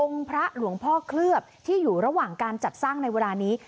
พระหลวงพ่อเคลือบที่อยู่ระหว่างการจัดสร้างในเวลานี้